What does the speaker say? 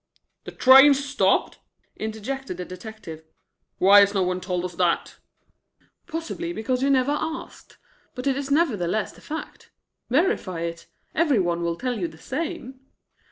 "The train stopped?" interjected the detective. "Why has no one told us that?" "Possibly because you never asked. But it is nevertheless the fact. Verify it. Every one will tell you the same."